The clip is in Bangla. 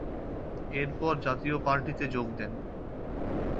এর পর জাতীয় পার্টিতে যোগ দেন।